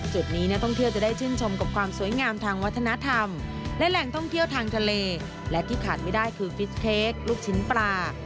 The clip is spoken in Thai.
จุดนี้นักท่องเที่ยวจะได้ชื่นชมกับความสวยงามทางวัฒนธรรมและแหล่งท่องเที่ยวทางทะเลและที่ขาดไม่ได้คือฟิสเค้กลูกชิ้นปลา